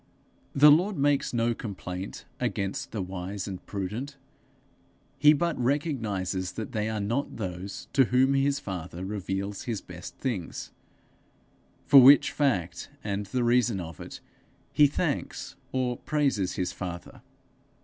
The Lord makes no complaint against the wise and prudent; he but recognizes that they are not those to whom his father reveals his best things; for which fact and the reasons of it, he thanks, or praises his father.